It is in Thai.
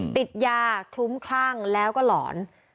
ติดยาคลุ้มคลั่งแล้วก็หลอน